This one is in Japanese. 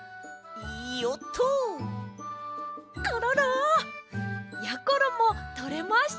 コロロ！やころもとれました！